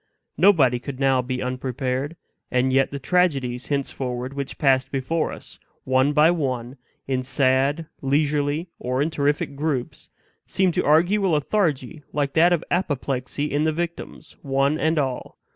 Nobody could now be unprepared; and yet the tragedies, henceforward, which passed before us, one by one, in sad, leisurely, or in terrific groups, seemed to argue a lethargy like that of apoplexy in the victims, one and all.